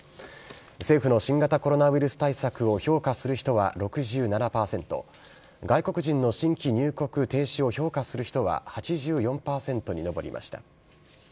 政府の新型コロナウイルス対策を評価する人は６７％、外国人の新規入国停止を評価する人は８４％に上りました。